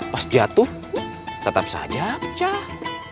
pas jatuh tetap saja pecah